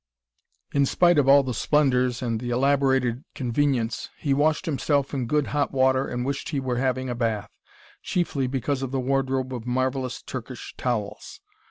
In spite of all the splendours and the elaborated convenience, he washed himself in good hot water, and wished he were having a bath, chiefly because of the wardrobe of marvellous Turkish towels.